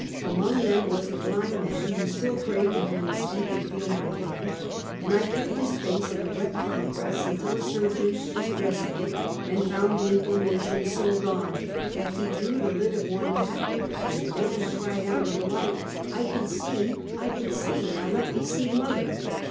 Among them was the blind man, who still craved to hear me speak and feel my hand, and I kept liis face in a wet compress until a surgeon was dressing it and found the inflammation so gone that he drew the lid of one back, and the man cried out in delight: " I can see! I can see! now let me see mother."